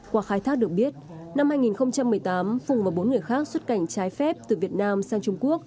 qua khai thác được biết năm hai nghìn một mươi tám phùng và bốn người khác xuất cảnh trái phép từ việt nam sang trung quốc